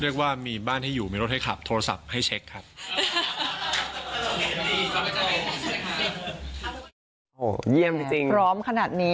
เรียกว่ามีบ้านให้อยู่มีรถให้ขับโทรศัพท์ให้เช็ค